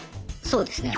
そうですね。